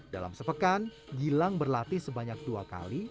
dalam sepekan gilang berlatih sebanyak dua kali